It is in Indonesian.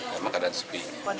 memang keadaan sepi